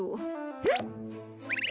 えっ！？